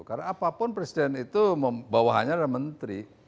karena apapun presiden itu bawahannya adalah menteri